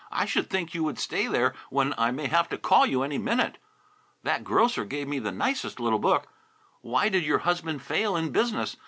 "I should think you would stay there, when I may have to call you any minute. That grocer gave me the nicest little book, 'Why Did Your Husband Fail in Business?'